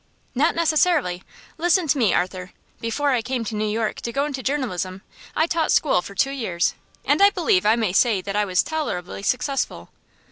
"Not necessarily. Listen to me, Arthur. Before I came to New York to go into journalism, I taught school for two years; and I believe I may say that I was tolerably successful.